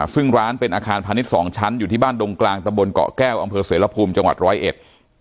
ซึ่งร้านเป็นอาคารพาณิชย์สองชั้นอยู่ที่บ้านดงกลางตะบนเกาะแก้วอำเภอเสรภูมิจังหวัดร้อยเอ็ด